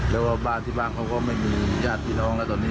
แล้วว่าบ้านที่บ้านเขาก็ไม่มีญาติพี่น้องแล้วตอนนี้